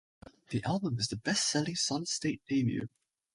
The album is the best-selling Solid State debut.